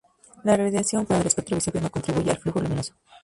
La radiación fuera del espectro visible no contribuye al flujo luminoso.